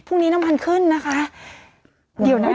อุ๊ยพรุ่งนี้น้ำมันขึ้นนะคะเดี๋ยวนะ